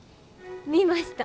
見ました。